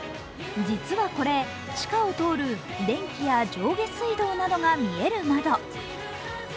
実はこれ、地下を通る電気や上下水道などが見える窓。